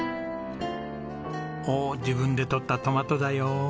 おっ自分でとったトマトだよ。